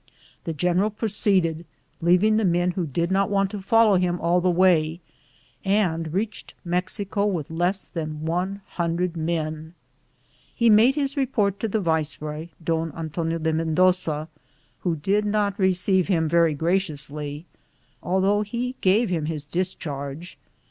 The general proceeded, leaving the men who did not want to follow bim all along the way, and reached Mexico with less than 100 men. He made his re port to the viceroy, Don Antonio de Men doza, who did not receive him very gra ciously, although he gave him his discharge.